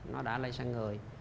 nó đã lây sang người